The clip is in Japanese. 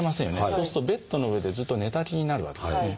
そうするとベッドの上でずっと寝たきりになるわけですね。